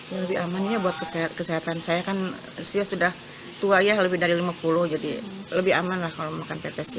yang lebih amannya buat kesehatan saya kan sudah tua ya lebih dari lima puluh jadi lebih aman lah kalau makan pepes